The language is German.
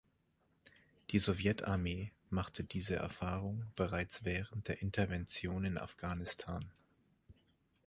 Die Sowjetarmee machte diese Erfahrung bereits während der Intervention in Afghanistan.